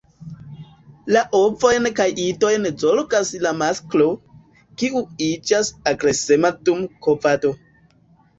La ovojn kaj idojn zorgas la masklo, kiu iĝas agresema dum kovado.